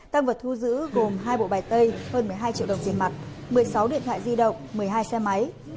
tăng vật thu giữ gồm hai bộ bài tay hơn một mươi hai triệu đồng tiền mặt một mươi sáu điện thoại di động một mươi hai xe máy